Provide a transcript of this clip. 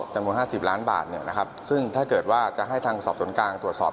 จำกว่า๕๐ล้านบาทซึ่งถ้าเกิดว่าจะให้ทางสอบศูนย์กลางตรวจสอบ